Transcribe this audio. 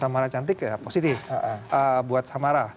samara cantik ya positif buat samara